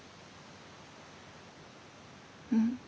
うん。